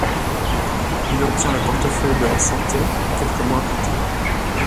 Il obtient le portefeuille de la Santé quelques mois plus tard.